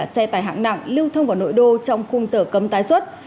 xe tải hạng nặng lưu thông vào nội đô trong khung giờ cấm tái xuất